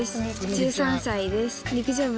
１３歳です。